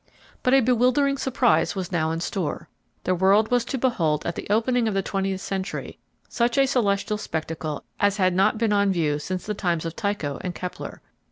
But a bewildering surprise was now in store; the world was to behold at the opening of the twentieth century such a celestial spectacle as had not been on view since the times of Tycho and Kepler.